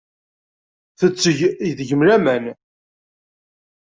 Tetteg deg-m laman.